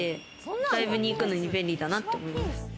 ライブに行くのに便利なんだと思います。